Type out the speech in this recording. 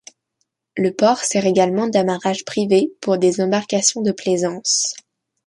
Le port sert également d'amarrage privé pour des embarcations de plaisance.